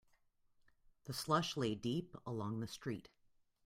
The slush lay deep along the street.